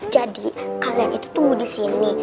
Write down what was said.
jadi kalian itu tunggu di sini